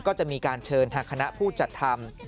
ก็จะมีการเชิญทางคณะผู้จัดทำ